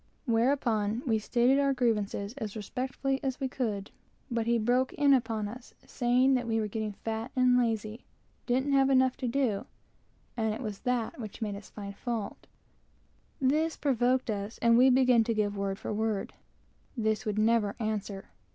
Whereupon we stated our grievances as respectfully as we could, but he broke in upon us, saying that we were getting fat and lazy, didn't have enough to do, and that made us find fault. This provoked us, and we began to give word for word. This would never answer.